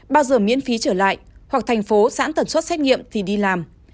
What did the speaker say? bao giờ miễn phí trở lại hoặc thành phố sẵn tần suất xét nghiệm thì đi làm